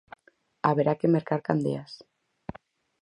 Haberá que mercar candeas.